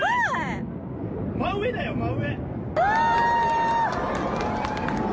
真上だよ、真上！